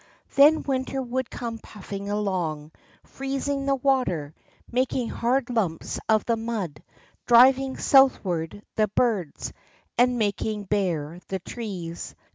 Then winter would come puffing along, freezing the waterj making hard lumps of the mud, driving southward the birds, and making bare the trees.